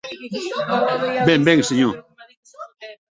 Ben, ben, senhor!